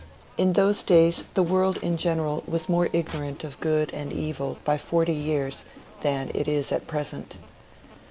In those days the world in general was more ignorant of good and evil by forty years than it is at present.